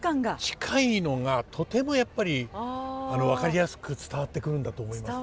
近いのがとてもやっぱり分かりやすく伝わってくるんだと思いますね。